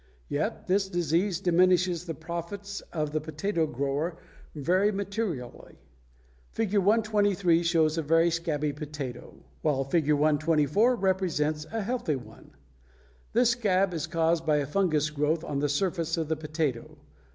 Yet this disease diminishes the profits of the potato grower very materially. Fig. 123 shows a very scabby potato, while Fig. 124 represents a healthy one. This scab is caused by a fungous growth on the surface of the potato.